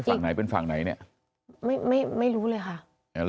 ฝั่งไหนเป็นฝั่งไหนเนี่ยไม่ไม่รู้เลยค่ะ